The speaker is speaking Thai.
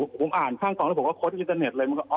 ผมอ่านข้างกองแล้วผมก็คดอินเตอร์เน็ตเลย